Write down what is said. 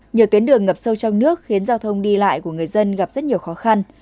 nhiều tuyến đường ngập sâu trong nước khiến giao thông đi lại của người dân gặp rất nhiều khó khăn